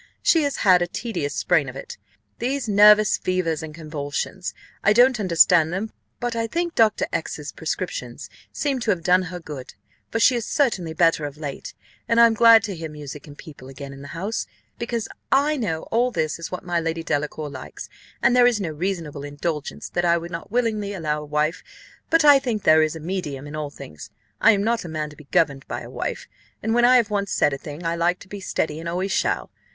She has had a tedious sprain of it; these nervous fevers and convulsions I don't understand them, but I think Dr. X 's prescriptions seem to have done her good, for she is certainly better of late, and I am glad to hear music and people again in the house, because I know all this is what my Lady Delacour likes, and there is no reasonable indulgence that I would not willingly allow a wife; but I think there is a medium in all things. I am not a man to be governed by a wife, and when I have once said a thing, I like to be steady and always shall.